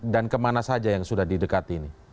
dan kemana saja yang sudah didekati ini